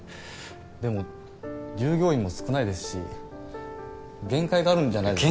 でも従業員も少ないですし限界があるんじゃないですか？